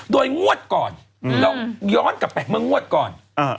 โดยงวดก่อนย้อนกับแปลงเพียงแล้วงวดก่อน